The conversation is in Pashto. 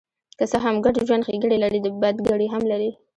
که څه هم ګډ ژوند ښېګڼې لري، بدګڼې هم لري.